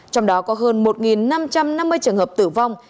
trong đó có hơn một năm trăm năm mươi trường hợp tử vong